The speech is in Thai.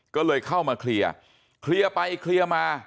ก็เลยเข้ามาเคลียร์เคลียร์ไปเคลียร์มา